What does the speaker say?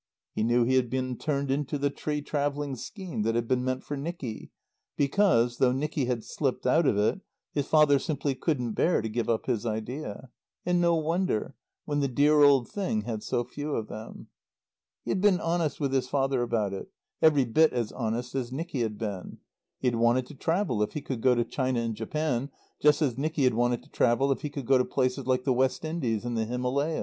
He knew he had been turned into the tree travelling scheme that had been meant for Nicky, because, though Nicky had slipped out of it, his father simply couldn't bear to give up his idea. And no wonder, when the dear old thing had so few of them. He had been honest with his father about it; every bit as honest as Nicky had been. He had wanted to travel if he could go to China and Japan, just as Nicky had wanted to travel if he could go to places like the West Indies and the Himalaya.